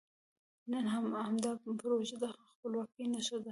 نن همدا پروژه د خپلواکۍ نښه ده.